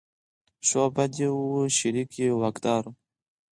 ښه او بد یې وو شریک یو یې واکدار و.